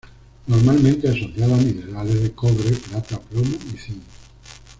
Normalmente asociado a minerales de cobre, plata, plomo y zinc.